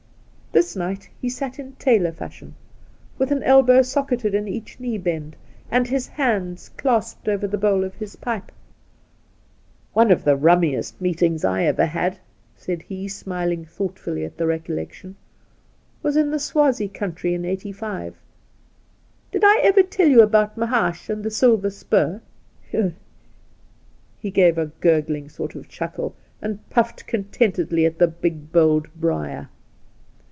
This night he sat in tailor fashion, with an elbow socketed in each knee bend, and his hands clasped over the bowl of his pipe. ' One of the rummiest meetings I ever had,' said he, smiling thoughtfully at the recollection, ' was in the Swazie country in '85. Did I ever tell you about Mahaash and the Silver Spur ?' He gave a gurgling sort of chuckle, and puffed contentedly at the big bowled briar.